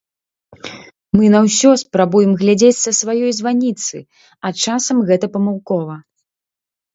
Мы на ўсё спрабуем глядзець са сваёй званіцы, а часам гэта памылкова.